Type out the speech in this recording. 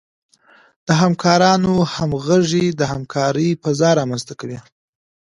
د همکارانو همغږي د همکارۍ فضا رامنځته کوي.